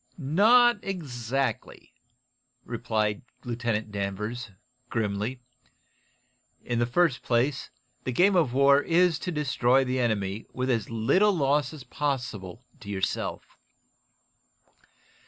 "Not exactly," replied Lieutenant Danvers, grimly. "In the first place, the game of war is to destroy the enemy with as little loss as possible to yourself.